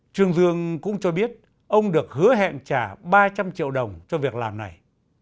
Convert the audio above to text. trương dương cũng cho biết ông được hứa hẹn trả ba trăm linh triệu đồng cho việc làm này